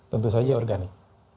tentu saja organik